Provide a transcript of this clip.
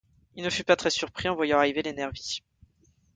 Il ne fut pas très surpris en voyant arriver les nervis.